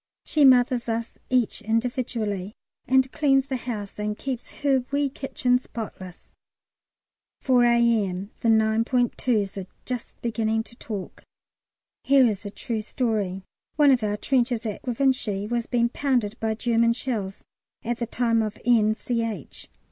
She mothers us each individually, and cleans the house and keeps her wee kitchen spotless. 4 A.M. The 9.2's are just beginning to talk. Here is a true story. One of our trenches at Givenchy was being pounded by German shells at the time of N. Ch.